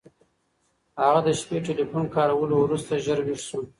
هغه د شپې ټیلیفون کارولو وروسته ژر ویښ شو.